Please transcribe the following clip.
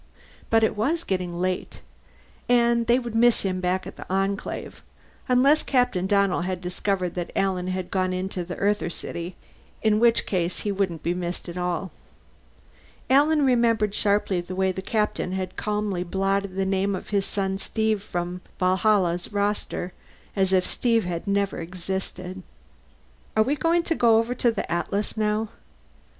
But it was getting late. And they would miss him back at the Enclave unless Captain Donnell had discovered that Alan had gone into the Earther city, in which case he wouldn't be missed at all. Alan remembered sharply the way the Captain had calmly blotted the name of his son Steve from the Valhalla's roster as if Steve had never existed. "Are we going to go over to the Atlas now?"